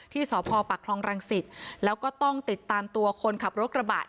ที่สพปักคลองรังสิตแล้วก็ต้องติดตามตัวคนขับรถกระบะ